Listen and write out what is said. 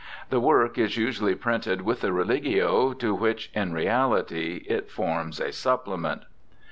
The work is usually printed with the Religio, to which in reality it forms a supplement.